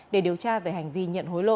để điều tra về hành vi nhận hối lộ